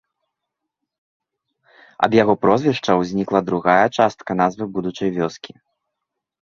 Ад яго прозвішча ўзнікла другая частка назвы будучай вёскі.